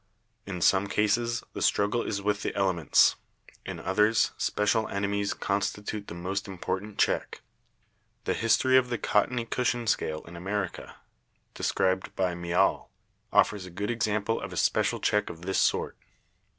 In some cases the struggle is with the elements, in others special enemies constitute the most important check. The history of the cottony cushion scale in America, described by Miall, offers a good example of a special check of this sort.